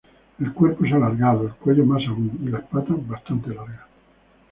El cuerpo es alargado, el cuello más aún, y las patas bastante largas.